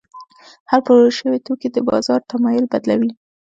هره پلورل شوې توکي د بازار تمایل بدلوي.